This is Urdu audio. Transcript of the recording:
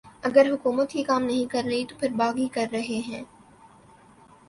اگر حکومت یہ کام نہیں کررہی تو پھر باغی کررہے ہیں